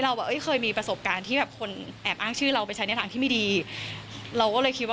เราก็เลยคิดว่าแบบมันคงเป็นเหมือนเดิมอะไรอย่างนี้ค่ะ